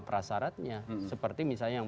prasaratnya seperti misalnya yang